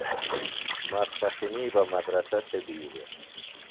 ماسپخِنیۡ بہ مدرسہ تھےۡ بیۡ دےۡ۔